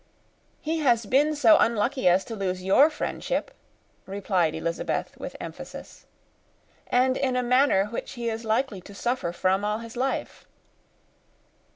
"He has been so unlucky as to lose your friendship," replied Elizabeth, with emphasis, "and in a manner which he is likely to suffer from all his life."